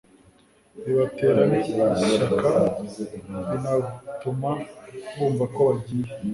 bibatera n ishyaka binatuma bumva ko bagiye